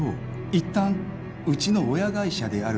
いったんうちの親会社である